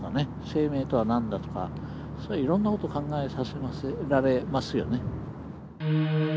生命とは何だとかそういういろんなこと考えさせられますよね。